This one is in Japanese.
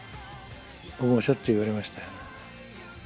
僕もしょっちゅう言われましたよね。